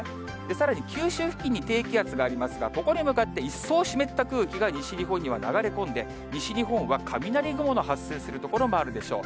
さらに九州付近に低気圧がありますが、ここに向かって一層湿った空気が西日本には流れ込んで、西日本は雷雲の発生する所もあるでしょう。